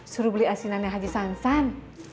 suruh beli asinannya haji sansan